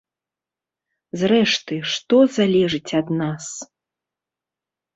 Зрэшты, што залежыць ад нас?